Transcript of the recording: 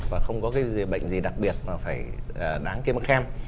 và không có cái bệnh gì đặc biệt mà phải đáng kiêm khem